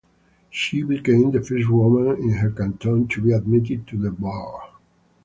She became the first women in her canton to be admitted to the bar.